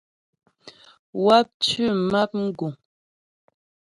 Wáp tʉ́ map mgùŋ.